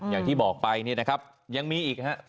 อย่างที่บอกไปเนี่ยนะครับ